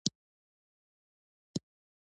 افغانستان د د افغانستان د موقعیت کوربه دی.